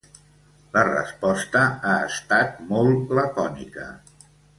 La resposta ha estat molt lacònica.